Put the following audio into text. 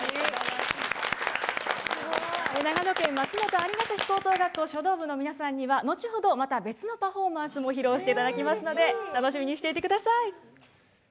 長野県松本蟻ヶ崎高等学校書道部の皆さんには後ほどまた別のパフォーマンスも披露していただきますので楽しみにしていてください。